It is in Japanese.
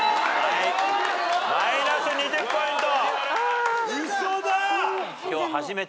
マイナス２０ポイント。